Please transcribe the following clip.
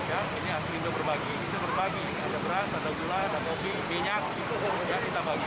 aptrindo berbagi ada beras ada gula ada kopi minyak itu kita bagi